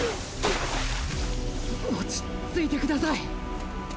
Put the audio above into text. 落ちっ着いてください！